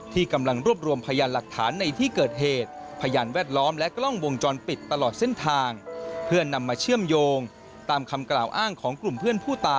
ที่กำลังรวบรวมพยานหลักฐานในที่เกิดเหตุ